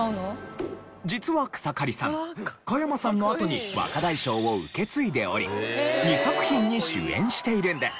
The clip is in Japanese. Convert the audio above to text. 実は草刈さん加山さんのあとに若大将を受け継いでおり２作品に主演しているんです。